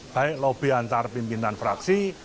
baik lobby antar pimpinan fraksi